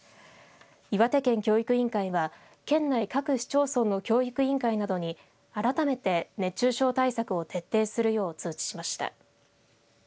岩手県教育委員会は県内各市町村の教育委員会などに改めて熱中症対策を徹底するよう通知しました。